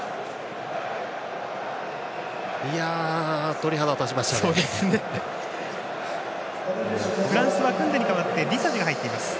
鳥肌、立ちましたね。